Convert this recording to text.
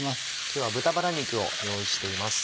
今日は豚バラ肉を用意しています。